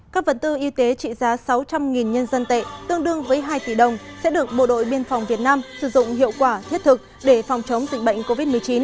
các vật tư y tế trị giá sáu trăm linh nhân dân tệ tương đương với hai tỷ đồng sẽ được bộ đội biên phòng việt nam sử dụng hiệu quả thiết thực để phòng chống dịch bệnh covid một mươi chín